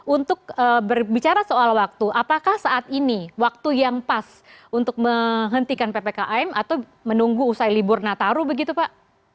untuk berbicara soal waktu apakah saat ini waktu yang pas untuk menghentikan ppkm atau menunggu usai libur nataru begitu pak